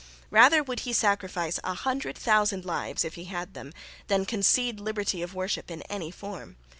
Rather would he sacrifice a hundred thousand lives, if he had them, than concede liberty of worship in any form.